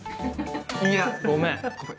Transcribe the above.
いや。ごめん。